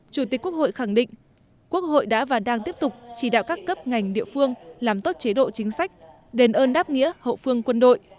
chủ tịch quốc hội khẳng định quốc hội đã và đang tiếp tục chỉ đạo các cấp ngành địa phương làm tốt chế độ chính sách đền ơn đáp nghĩa hậu phương quân đội